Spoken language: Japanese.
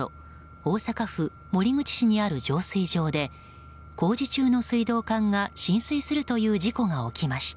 大阪府守口市にある浄水場で工事中の水道管が浸水するという事故が起きました。